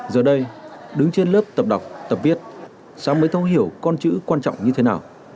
giờ đây đứng trên lớp tập đọc tập viết sáng mới thấu hiểu con chữ quan trọng như thế nào